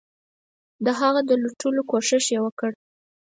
هغه د لوټلو کوښښ یې وکړ.